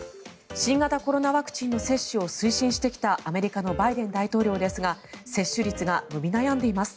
新型コロナワクチンの接種を推進してきたアメリカのバイデン大統領ですが接種率が伸び悩んでいます。